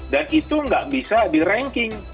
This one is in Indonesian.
dan itu nggak bisa di ranking